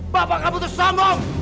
bapak kamu itu sombong pelit